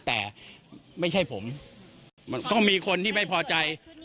แต่ไม่ใช่ผมต้องมีคนที่ไม่พอใจ